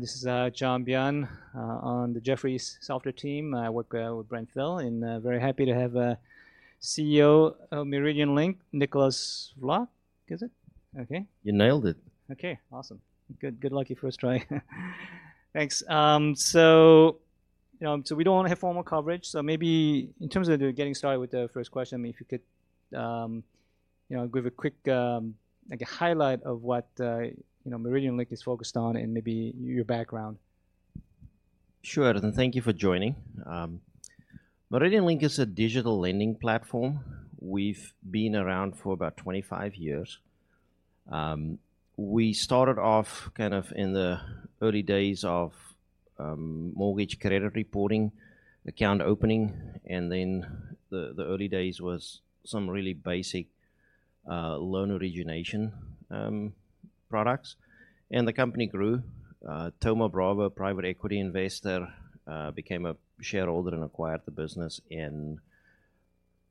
This is John Bian on the Jefferies software team. I work with Brent Thill, and very happy to have a CEO of MeridianLink, Nicolaas Vlok, is it? Okay. You nailed it. Okay, awesome. Good lucky first try. Thanks. You know, so we don't wanna have formal coverage, so maybe in terms of the getting started with the first question, I mean, if you could, you know, give a quick, like a highlight of what, you know, MeridianLink is focused on and maybe your background? Sure, thank you for joining. MeridianLink is a digital lending platform. We've been around for about 25 years. We started off kind of in the early days of mortgage credit reporting, account opening, and then the early days was some really basic loan origination products. The company grew. Thoma Bravo, private equity investor, became a shareholder and acquired the business in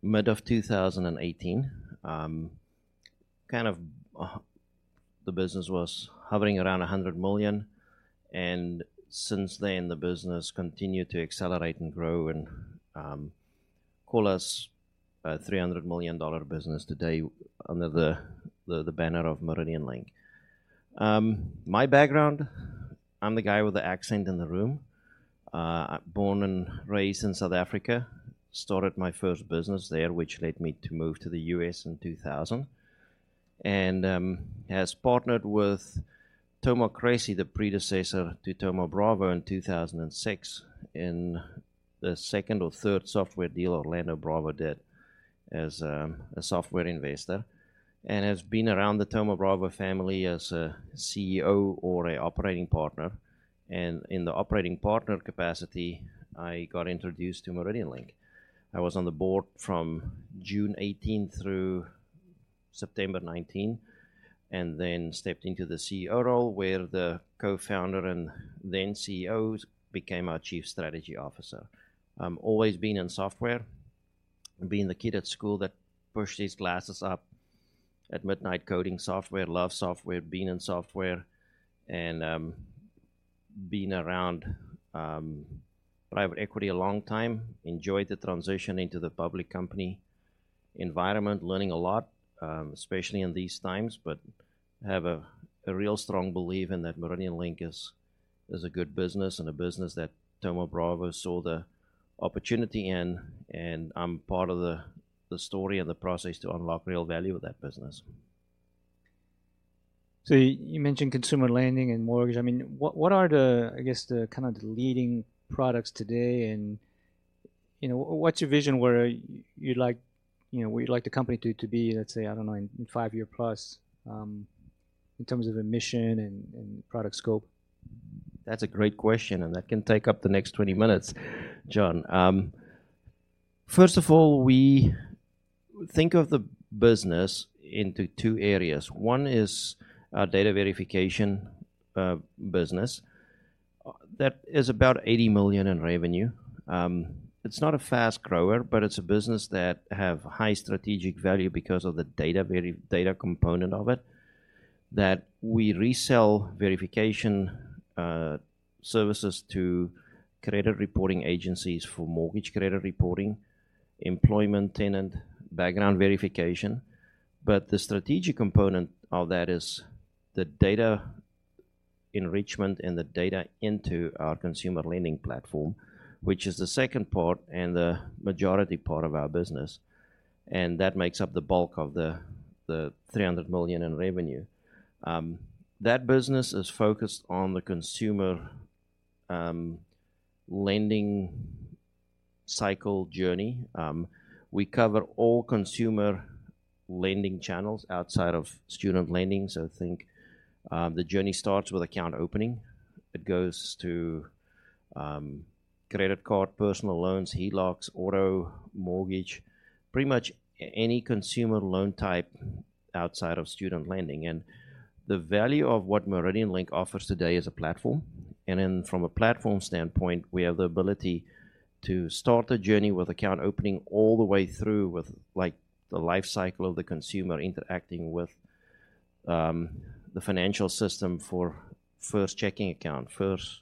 mid of 2018. Kind of, the business was hovering around $100 million, and since then, the business continued to accelerate and grow and call us a $300 million business today under the banner of MeridianLink. My background, I'm the guy with the accent in the room. Born and raised in South Africa. Started my first business there, which led me to move to the US in 2000. Has partnered with Thoma Cressey, the predecessor to Thoma Bravo in 2006, in the second or third software deal Orlando Bravo did as a software investor, and has been around the Thoma Bravo family as a CEO or a operating partner. In the operating partner capacity, I got introduced to MeridianLink. I was on the board from June 2018 through September 2019, and then stepped into the CEO role, where the co-founder and then CEOs became our Chief Strategy Officer. Always been in software and being the kid at school that pushed his glasses up at midnight, coding software. Love software, being in software, and being around private equity a long time. Enjoyed the transition into the public company environment, learning a lot, especially in these times, but have a real strong belief in that MeridianLink is a good business and a business that Thoma Bravo saw the opportunity and I'm part of the story and the process to unlock real value of that business. You mentioned consumer lending and mortgage. I mean, what are the, I guess, the kind of the leading products today, and, you know, what's your vision where you'd like, you know, where you'd like the company to be, let's say, I don't know, in five year plus, in terms of a mission and product scope? That's a great question. That can take up the next 20 minutes, John. First of all, we think of the business into two areas. One is our data verification business. That is about $80 million in revenue. It's not a fast grower, but it's a business that have high strategic value because of the data component of it, that we resell verification services to Credit Reporting Agencies for mortgage credit reporting, employment, tenant, background verification. The strategic component of that is the data enrichment and the data into our consumer lending platform, which is the second part and the majority part of our business, and that makes up the bulk of the $300 million in revenue. That business is focused on the consumer lending cycle journey. We cover all consumer lending channels outside of student lending, so think, the journey starts with account opening. It goes to credit card, personal loans, HELOCs, auto, mortgage, pretty much any consumer loan type outside of student lending. The value of what MeridianLink offers today is a platform, and then from a platform standpoint, we have the ability to start the journey with account opening all the way through with, like, the life cycle of the consumer interacting with the financial system for first checking account, first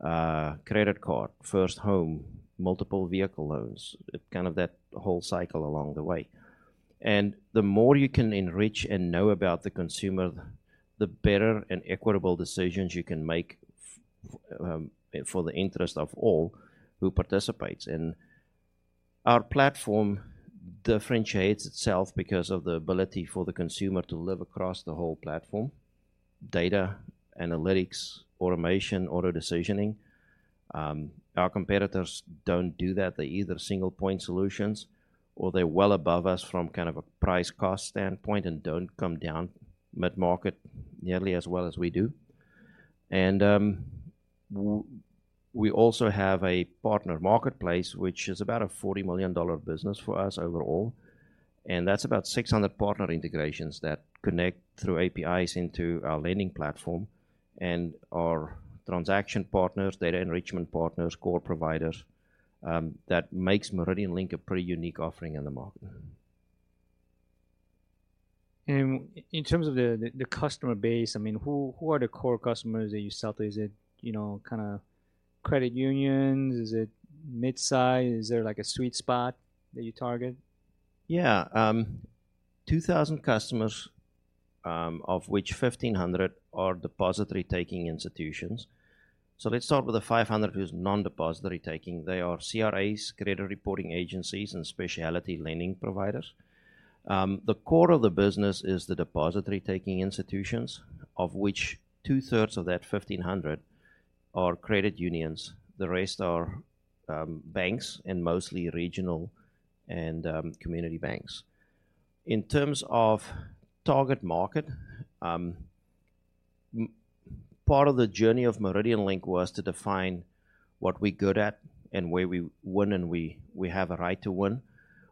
credit card, first home, multiple vehicle loans, kind of that whole cycle along the way. The more you can enrich and know about the consumer, the better and equitable decisions you can make for the interest of all who participates. Our platform differentiates itself because of the ability for the consumer to live across the whole platform: data, analytics, automation, auto decisioning. Our competitors don't do that. They're either single-point solutions, or they're well above us from kind of a price-cost standpoint and don't come down mid-market nearly as well as we do. We also have a partner marketplace, which is about a $40 million business for us overall, and that's about 600 partner integrations that connect through APIs into our lending platform and our transaction partners, data enrichment partners, core providers, that makes MeridianLink a pretty unique offering in the market.... in terms of the customer base, I mean, who are the core customers that you sell to? Is it, you know, kinda credit unions? Is it mid-size? Is there, like, a sweet spot that you target? Yeah. 2,000 customers, of which 1,500 are depository-taking institutions. Let's start with the 500 who's non-depository taking. They are CRAs, credit reporting agencies, and specialty lending providers. The core of the business is the depository-taking institutions, of which two-thirds of that 1,500 are credit unions. The rest are, banks, and mostly regional and, community banks. In terms of target market, part of the journey of MeridianLink was to define what we're good at and where we win, and we have a right to win.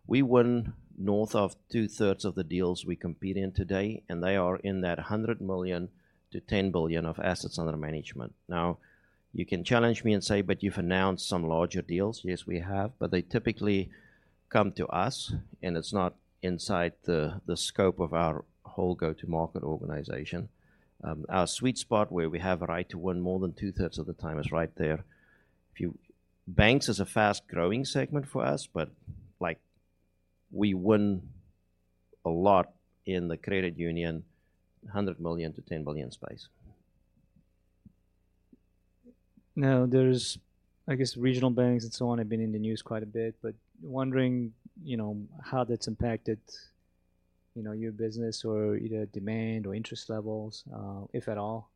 We win north of two-thirds of the deals we compete in today. They are in that $100 million-$10 billion of assets under management. You can challenge me and say: "But you've announced some larger deals." Yes, we have, but they typically come to us, and it's not inside the scope of our whole go-to-market organization. Our sweet spot, where we have a right to win more than two-thirds of the time, is right there. Banks is a fast-growing segment for us, but, like, we win a lot in the credit union, $100 million-$10 billion space. I guess, regional banks and so on have been in the news quite a bit, but wondering, you know, how that's impacted, you know, your business or either demand or interest levels, if at all?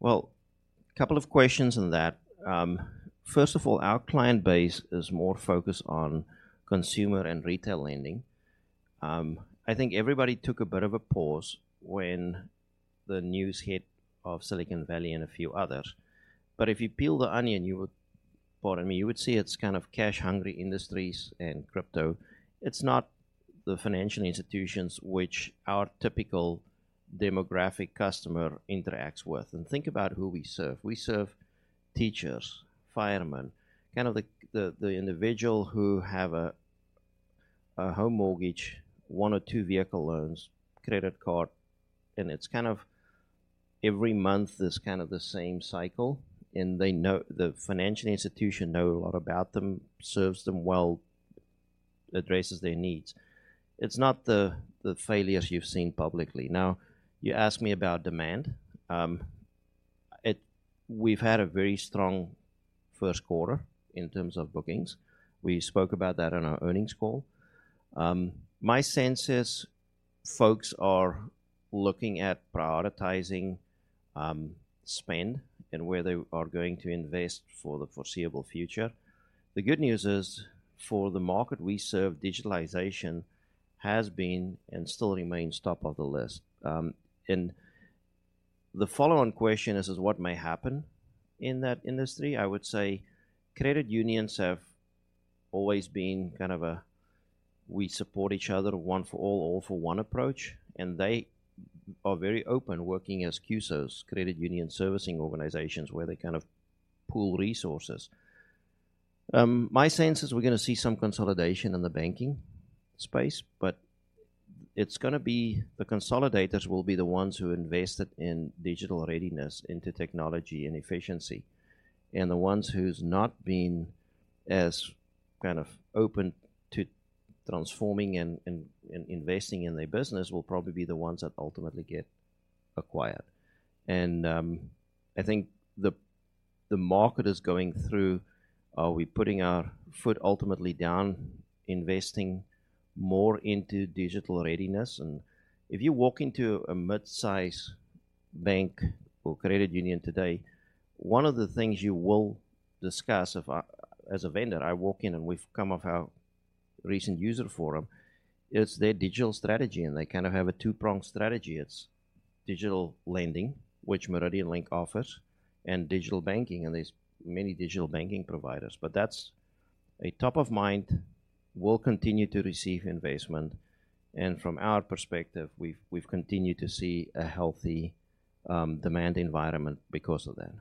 Well, 2 questions in that. First of all, our client base is more focused on consumer and retail lending. I think everybody took a bit of a pause when the news hit of Silicon Valley and a few others. If you peel the onion, you would see it's kind of cash-hungry industries and crypto. It's not the financial institutions which our typical demographic customer interacts with. Think about who we serve. We serve teachers, firemen, kind of the individual who have a home mortgage, one or two vehicle loans, credit card, and it's kind of every month is kind of the same cycle, and the financial institution know a lot about them, serves them well, addresses their needs. It's not the failures you've seen publicly. Now, you asked me about demand. We've had a very strong first quarter in terms of bookings. We spoke about that on our earnings call. My sense is folks are looking at prioritizing spend and where they are going to invest for the foreseeable future. The good news is, for the market we serve, digitalization has been and still remains top of the list. The follow-on question is what may happen in that industry? I would say credit unions have always been kind of a, "We support each other, one for all for one," approach. They are very open working as CUSOs, Credit Union Service Organizations, where they kind of pool resources. My sense is we're gonna see some consolidation in the banking space. The consolidators will be the ones who invested in digital readiness, into technology and efficiency. The ones who's not been as kind of open to transforming and investing in their business will probably be the ones that ultimately get acquired. I think the market is going through, "Are we putting our foot ultimately down, investing more into digital readiness?" If you walk into a mid-size bank or credit union today, one of the things you will discuss if as a vendor, I walk in, and we've come off our recent user forum, it's their digital strategy, and they kind of have a two-pronged strategy. It's digital lending, which MeridianLink offers, and digital banking, and there's many digital banking providers. That's a top of mind, will continue to receive investment, and from our perspective, we've continued to see a healthy demand environment because of that.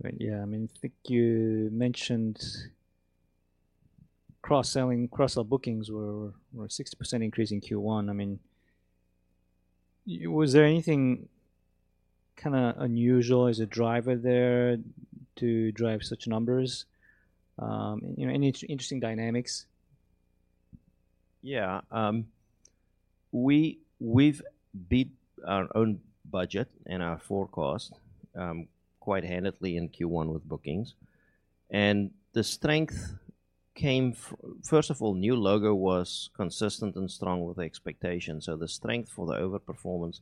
Great. Yeah, I mean, I think you mentioned cross-selling. Cross-sell bookings were a 60% increase in Q1. I mean, was there anything kinda unusual as a driver there to drive such numbers? You know, any interesting dynamics? Yeah, we've beat our own budget and our forecast, quite handedly in Q1 with bookings, the strength came first of all, new logo was consistent and strong with the expectations, so the strength for the overperformance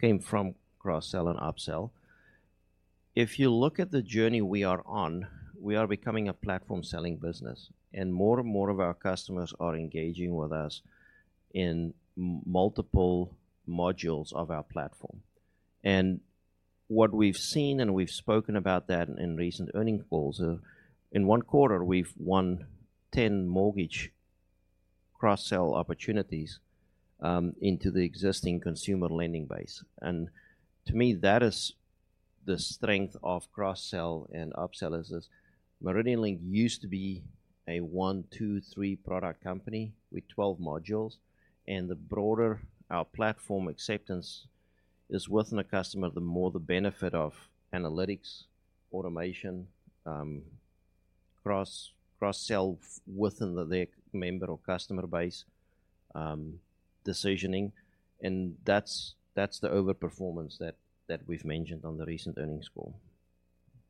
came from cross-sell and upsell. If you look at the journey we are on, we are becoming a platform-selling business, more and more of our customers are engaging with us in multiple modules of our platform. What we've seen, and we've spoken about that in recent earning calls, in one quarter, we've won 10 mortgage cross-sell opportunities, into the existing consumer lending base. To me, that is. the strength of cross-sell and up-sell is this, MeridianLink used to be a one, two, three product company with 12 modules, and the broader our platform acceptance is within a customer, the more the benefit of analytics, automation, cross-sell within the, their member or customer base, decisioning, and that's the overperformance that we've mentioned on the recent earnings call.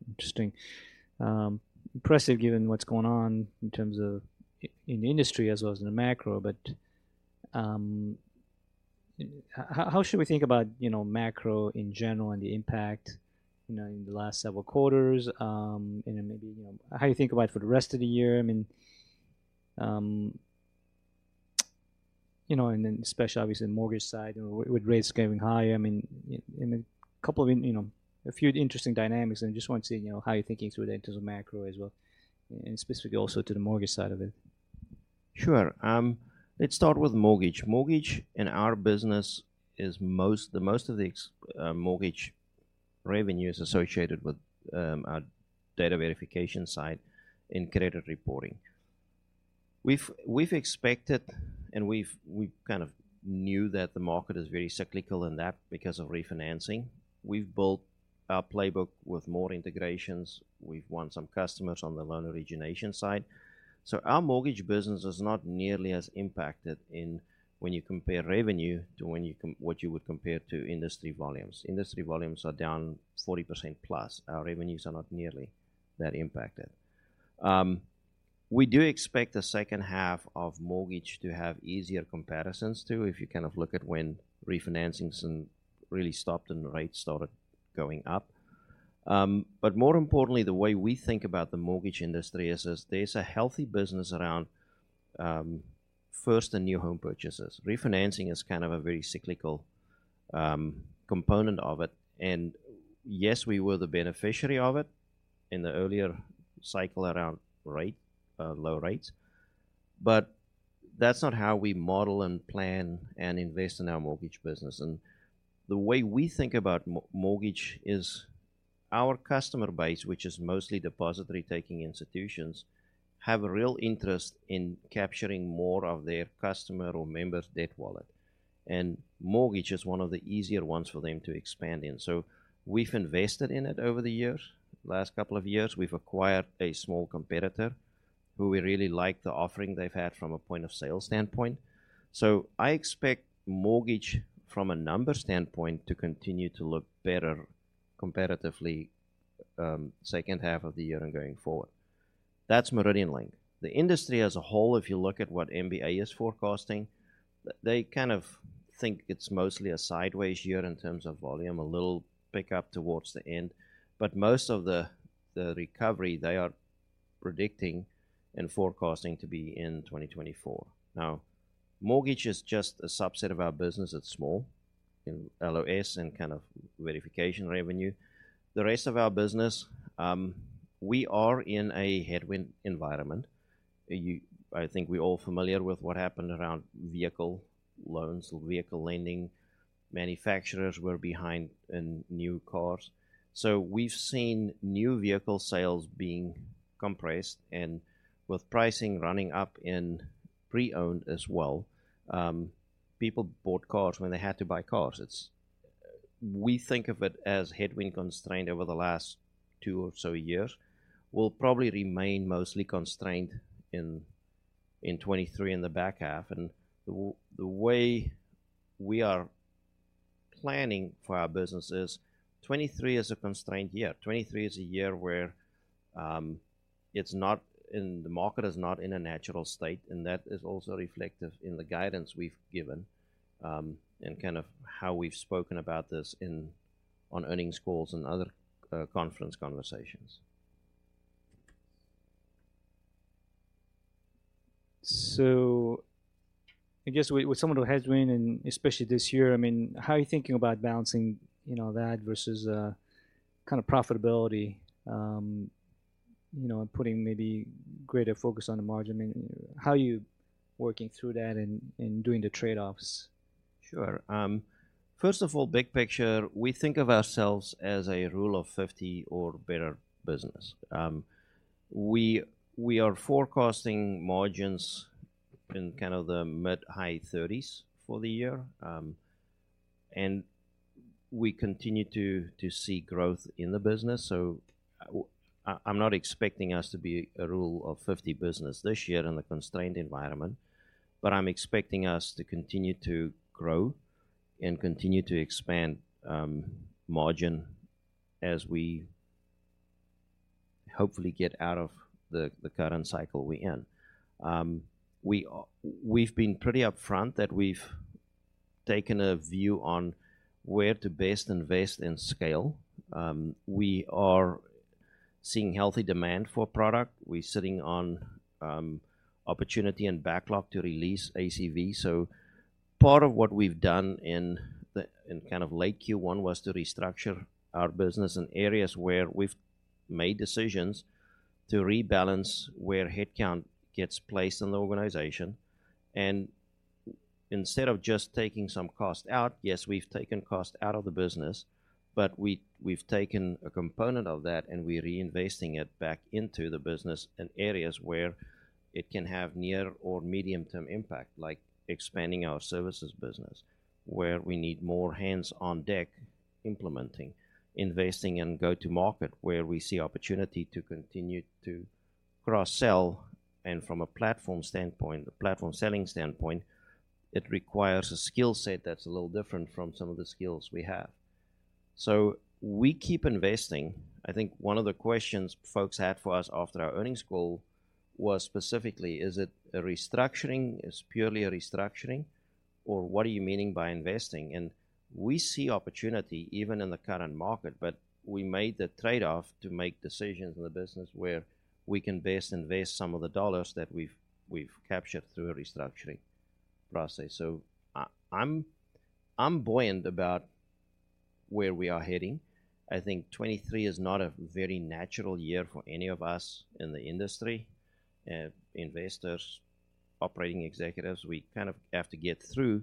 Interesting. Impressive, given what's going on in terms of in the industry as well as in the macro. How should we think about, you know, macro in general and the impact, you know, in the last several quarters, and then maybe, you know, how you think about it for the rest of the year? I mean, you know, and then especially obviously the mortgage side and with rates going higher. I mean, in a couple of, you know, a few interesting dynamics, and just want to see, you know, how you're thinking through that in terms of macro as well, and specifically also to the mortgage side of it? Sure. Let's start with mortgage. Mortgage in our business is the most of the mortgage revenue is associated with our data verification side in credit reporting. We've expected, and we've kind of knew that the market is very cyclical in that because of refinancing. We've built our playbook with more integrations. We've won some customers on the loan origination side. Our mortgage business is not nearly as impacted in when you compare revenue to what you would compare to industry volumes. Industry volumes are down 40%+. Our revenues are not nearly that impacted. We do expect the second half of mortgage to have easier comparisons, too, if you kind of look at when refinancings and really stopped and the rates started going up. More importantly, the way we think about the mortgage industry is there's a healthy business around first and new home purchases. Refinancing is kind of a very cyclical component of it, and yes, we were the beneficiary of it in the earlier cycle around rate, low rates, but that's not how we model and plan and invest in our mortgage business. The way we think about mortgage is our customer base, which is mostly depository-taking institutions, have a real interest in capturing more of their customer or members' debt wallet, and mortgage is one of the easier ones for them to expand in. We've invested in it over the years. Last couple of years, we've acquired a small competitor who we really like the offering they've had from a point-of-sale standpoint. I expect mortgage, from a numbers standpoint, to continue to look better competitively, second half of the year and going forward. That's MeridianLink. The industry as a whole, if you look at what MBA is forecasting, they kind of think it's mostly a sideways year in terms of volume, a little pickup towards the end. Most of the recovery, they are predicting and forecasting to be in 2024. Mortgage is just a subset of our business. It's small in LOS and kind of verification revenue. The rest of our business, we are in a headwind environment. I think we're all familiar with what happened around vehicle loans or vehicle lending. Manufacturers were behind in new cars. We've seen new vehicle sales being compressed and with pricing running up in pre-owned as well. People bought cars when they had to buy cars. We think of it as headwind-constrained over the last two or so years, will probably remain mostly constrained in 2023 in the back half. The way we are planning for our business is, 2023 is a constrained year. 2023 is a year where it's not, and the market is not in a natural state, and that is also reflective in the guidance we've given, and kind of how we've spoken about this on earnings calls and other conference conversations. I guess with some of the headwind and especially this year, I mean, how are you thinking about balancing, you know, that versus, kind of profitability, you know, and putting maybe greater focus on the margin? I mean, how are you working through that and doing the trade-offs? Sure. First of all, big picture, we think of ourselves as a Rule of 50 or better business. We are forecasting margins in kind of the mid, high 30s for the year, and we continue to see growth in the business. I'm not expecting us to be a Rule of 50 business this year in a constrained environment, but I'm expecting us to continue to grow and continue to expand margin as we hopefully get out of the current cycle we're in. We've been pretty upfront that we've taken a view on where to best invest and scale. We are seeing healthy demand for product. We're sitting on opportunity and backlog to release ACV. Part of what we've done in kind of late Q1 was to restructure our business in areas where we've made decisions to rebalance, where headcount gets placed in the organization. Instead of just taking some cost out, yes, we've taken cost out of the business, but we've taken a component of that, and we're reinvesting it back into the business in areas where it can have near or medium-term impact, like expanding our services business, where we need more hands on deck implementing, investing, and go-to-market, where we see opportunity to continue to cross-sell. From a platform standpoint, a platform selling standpoint, it requires a skill set that's a little different from some of the skills we have. We keep investing. I think one of the questions folks had for us after our earnings call was specifically, is it a restructuring? It's purely a restructuring, or what are you meaning by investing? We see opportunity even in the current market, but we made the trade-off to make decisions in the business where we can best invest some of the dollars that we've captured through a restructuring process. I'm buoyant about where we are heading. I think 2023 is not a very natural year for any of us in the industry, investors, operating executives. We kind of have to get through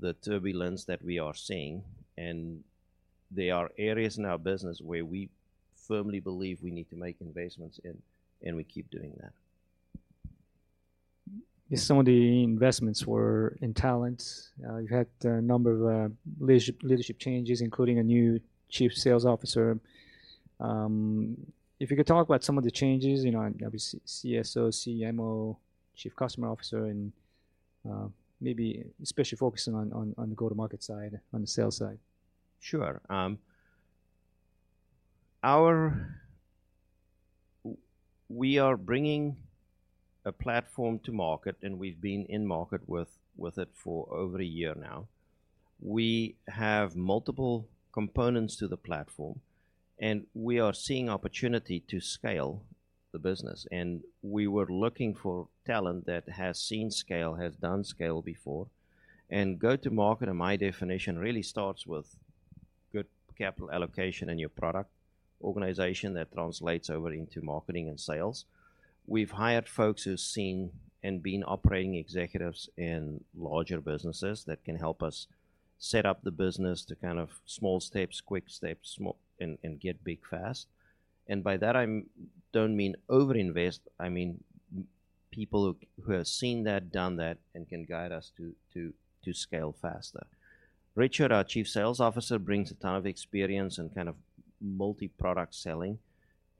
the turbulence that we are seeing, and there are areas in our business where we firmly believe we need to make investments in, and we keep doing that. Some of the investments were in talents. You've had a number of leadership changes, including a new chief sales officer. If you could talk about some of the changes, you know, obviously, CSO, CMO, chief customer officer, and maybe especially focusing on the go-to-market side, on the sales side? Sure. We are bringing a platform to market, and we've been in market with it for over a year now. We have multiple components to the platform, and we are seeing opportunity to scale the business, and we were looking for talent that has seen scale, has done scale before. Go-to-market, in my definition, really starts with good capital allocation in your product organization that translates over into marketing and sales. We've hired folks who've seen and been operating executives in larger businesses that can help us set up the business to kind of small steps, quick steps, and get big fast. By that, I don't mean overinvest. I mean, people who have seen that, done that, and can guide us to scale faster. Richard, our Chief Sales Officer, brings a ton of experience in kind of multi-product selling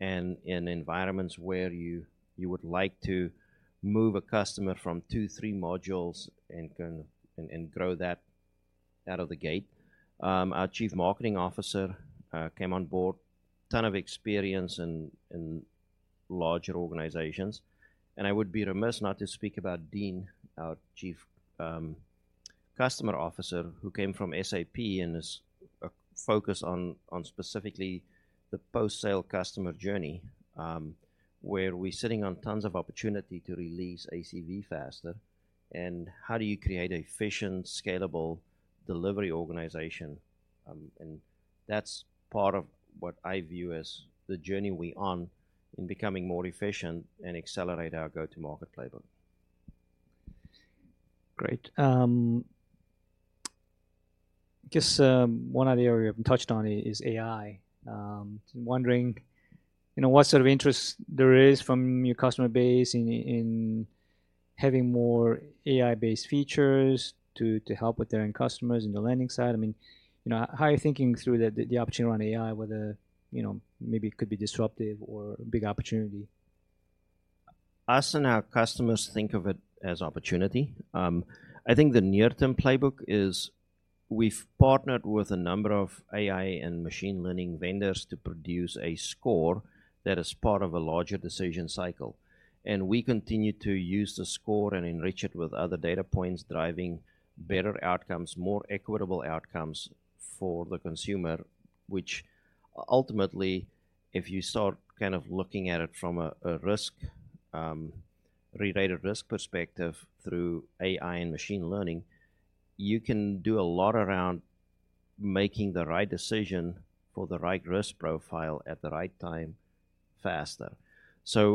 and in environments where you would like to move a customer from two, three modules and grow that out of the gate. Our Chief Marketing Officer came on board, ton of experience in larger organizations, and I would be remiss not to speak about Devesh, our Chief Customer Officer, who came from SAP and is focused on specifically the post-sale customer journey, where we're sitting on tons of opportunity to release ACV faster. How do you create an efficient, scalable delivery organization? That's part of what I view as the journey we're on in becoming more efficient and accelerate our go-to-market playbook. Great. Just one other area we haven't touched on is AI. Wondering, you know, what sort of interest there is from your customer base in having more AI-based features to help with their end customers in the lending side. I mean, you know, how are you thinking through the opportunity around AI, whether, you know, maybe it could be disruptive or a big opportunity? Us and our customers think of it as opportunity. I think the near-term playbook is we've partnered with a number of AI and machine learning vendors to produce a score that is part of a larger decision cycle. We continue to use the score and enrich it with other data points, driving better outcomes, more equitable outcomes for the consumer, which ultimately, if you start kind of looking at it from a risk, related risk perspective through AI and machine learning, you can do a lot around making the right decision for the right risk profile at the right time, faster.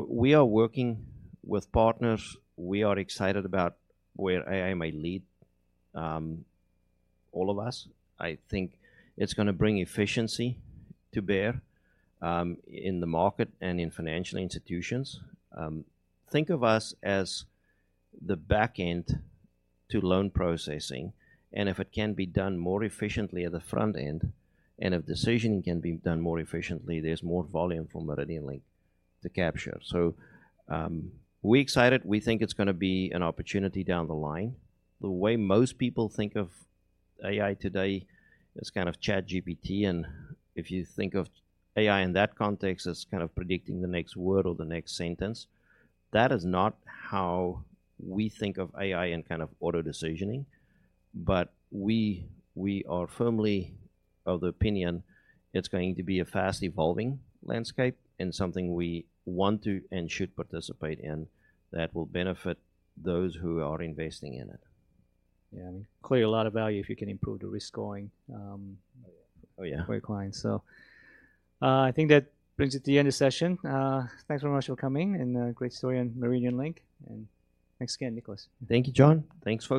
We are working with partners. We are excited about where AI may lead, all of us. I think it's gonna bring efficiency to bear in the market and in financial institutions. Think of us as the back end to loan processing, and if it can be done more efficiently at the front end, and if decisioning can be done more efficiently, there's more volume for MeridianLink to capture. We're excited. We think it's gonna be an opportunity down the line. The way most people think of AI today is kind of ChatGPT, and if you think of AI in that context, as kind of predicting the next word or the next sentence, that is not how we think of AI and kind of auto decisioning. We are firmly of the opinion it's going to be a fast evolving landscape and something we want to and should participate in, that will benefit those who are investing in it. Yeah, I mean, clearly a lot of value if you can improve the risk scoring. Oh, yeah.... for your clients. I think that brings it to the end of session. Thanks very much for coming and great story on MeridianLink, and thanks again, Nicolaas. Thank you, John. Thanks.